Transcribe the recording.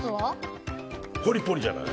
ポリポリじゃない？